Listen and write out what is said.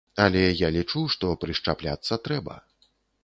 Але я лічу, што прышчапляцца трэба.